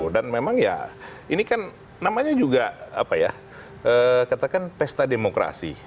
dan memang ya ini kan namanya juga apa ya katakan pesta demokrasi